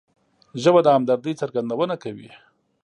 ژبه د همدردۍ څرګندونه کوي